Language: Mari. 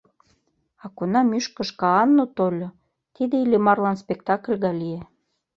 А кунам Ӱшкыж-Каану тольо, тиде Иллимарлан спектакль гай лие.